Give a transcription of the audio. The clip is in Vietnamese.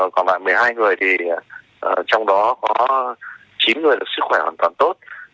còn lại một mươi hai người thì trong đó có chín người sức khỏe hoàn toàn tốt